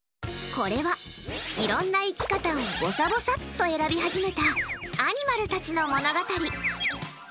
これは、いろんな生き方をぼさぼさっと選び始めたアニマルたちの物語。